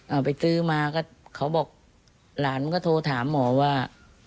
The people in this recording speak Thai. เอาไปซื้อมาก็เขาบอกหลานก็โทรถามหมอว่า